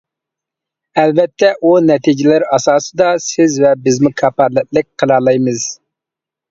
ئەلۋەتتە، ئۇ نەتىجىلەر ئاساسىدا سىز ۋە بىزمۇ كاپالەتلىك قىلالايمىز.